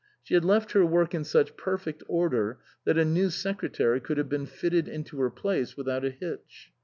She had left her work in such perfect order that a new secretary could have been fitted into her place without a hitch.